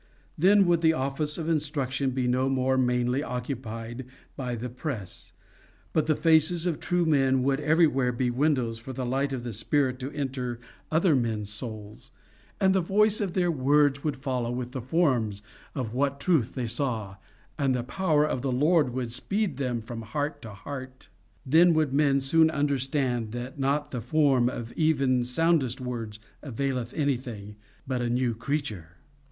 Then would the office of instruction be no more mainly occupied by the press, but the faces of true men would everywhere be windows for the light of the Spirit to enter other men's souls, and the voice of their words would follow with the forms of what truth they saw, and the power of the Lord would speed from heart to heart. Then would men soon understand that not the form of even soundest words availeth anything, but a new creature.